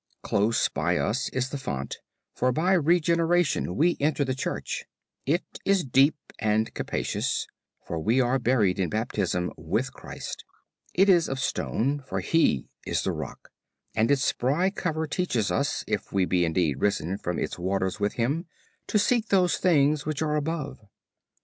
Close by us is the font; for by regeneration we enter the Church; it is deep and capacious; for we are buried in Baptism with CHRIST; it is of stone, for HE is the Rock; and its spiry cover teaches us, if we be indeed risen from its waters with HIM, to seek those things which are above.